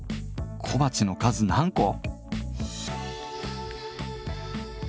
小鉢の数何個